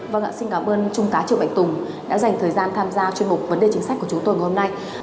vâng ạ xin cảm ơn trung tá triệu bạch tùng đã dành thời gian tham gia chuyên mục vấn đề chính sách của chúng tôi ngày hôm nay